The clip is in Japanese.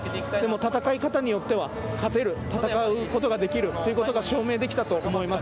ただ戦い方によっては勝てる、戦うことができるということが証明できたと思います。